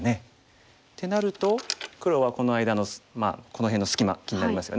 ってなると黒はこの間のこの辺の隙間気になりますよね。